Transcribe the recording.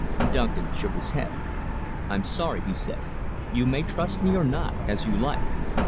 Duncan shook his head. "I'm sorry," he said. "You may trust me or not, as you like.